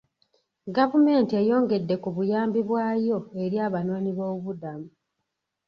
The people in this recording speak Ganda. Gavumenti eyongedde ku buyambi bwayo eri abanoonyiboobubudamu.